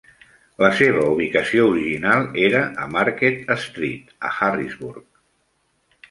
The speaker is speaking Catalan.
La seva ubicació original era a Market Street, a Harrisburg.